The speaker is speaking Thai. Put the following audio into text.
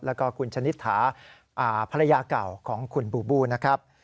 แล้วก็คุณชนิษฐาภรรยาเก่าของคุณบูบูนะครับ